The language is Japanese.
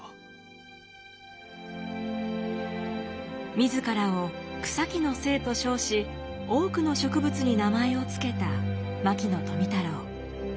自らを草木の精と称し多くの植物に名前をつけた牧野富太郎。